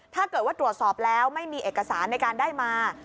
ถ้าเกิดว่าตรวจสอบแล้วไม่มีเอกสารในการได้มา